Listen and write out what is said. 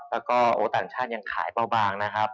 แล้วก็โอ้ต่างชาติยังขายเบาบางนะครับ